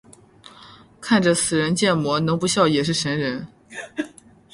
看着似人建模能不笑也是神人